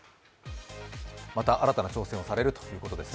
また新たな挑戦をされるということですね。